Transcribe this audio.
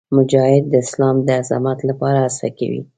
مجاهد د اسلام د عظمت لپاره هڅه کوي.